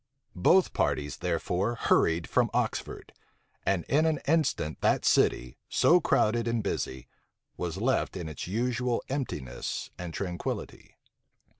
Both parties therefore hurried from Oxford; and in an instant that city, so crowded and busy, was left in its usual emptiness and tranquillity.